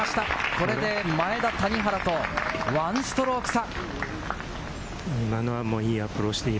これで前田、谷原と１ストローク差。